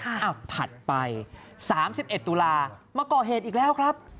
อ้าวถัดไปสามสิบเอ็ดตุลามาก่อเหตุอีกแล้วครับ